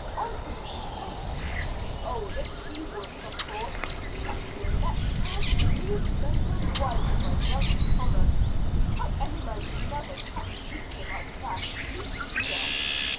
"On whose complaint?" "Oh, the she wolf's of course that delectable smooth spoken wife of my brother Thomas. How any man can love a catty creature like that, beats me out."